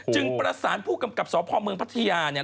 ประสานผู้กำกับสพเมืองพัทยาเนี่ย